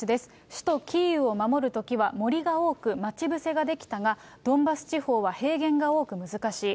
首都キーウを守るときは、森が多く待ち伏せができたが、ドンバス地方は平原が多く難しい。